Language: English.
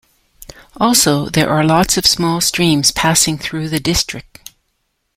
Also, there are lots of small streams passing through the district.